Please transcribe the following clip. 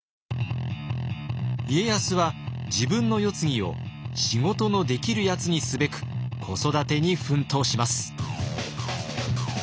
家康は自分の世継ぎを仕事のできるやつにすべく子育てに奮闘します。